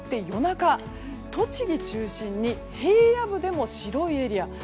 夜中栃木中心に平野部でも白いエリア。